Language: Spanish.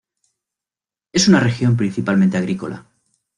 Es una región principalmente agrícola.